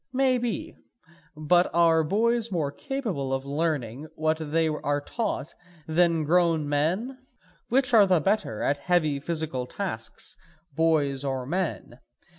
Maybe; but are boys more capable of learning what they are taught then grown men? Which are the better at heavy physical tasks, boys or men?